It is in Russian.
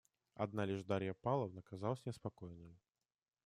Одна лишь Дарья Павловна казалась мне спокойною.